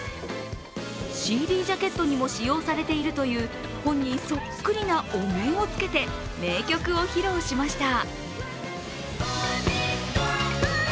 ＣＤジャケットにも使用されているという、本人そっくりなお面をつけて名曲を披露しました。